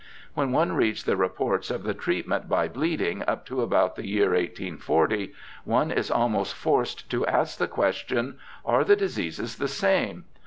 When one reads the reports of the treatment by bleeding up to about the year 1840, one is almost forced to ask the question. Are the diseases the same